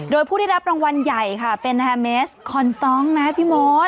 โดยผู้ได้รับรางวัลใหญ่ค่ะเป็นแฮเมสคอนสตองนะพี่มด